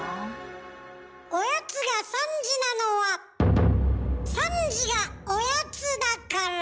おやつが３時なのは３時がおやつだから。